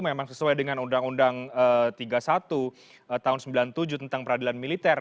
memang sesuai dengan undang undang tiga puluh satu tahun seribu sembilan ratus sembilan puluh tujuh tentang peradilan militer